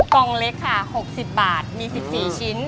กล่องเล็กค่ะหกสิบบาทมีสิบสี่ชิ้น